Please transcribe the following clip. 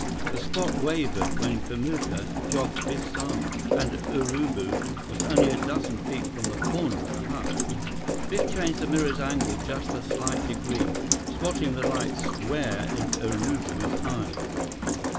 The spot wavered when Kamuka jogged Biff's arm, and Urubu was only a dozen feet from the corner of the hut. Biff changed the mirror's angle just a slight degree, spotting the light square in Urubu's eyes.